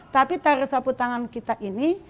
tapi tari sapu tangan kita ini